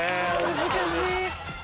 難しい。